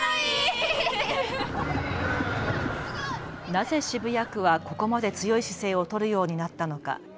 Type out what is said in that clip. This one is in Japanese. なぜ渋谷区はここまで強い姿勢を取るようになったのか。